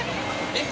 えっ？